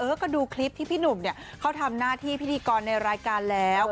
ก็ดูคลิปที่พี่หนุ่มเนี่ยเขาทำหน้าที่พิธีกรในรายการแล้ว